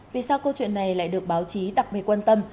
vì sao câu chuyện này lại được báo chí đặc biệt quan tâm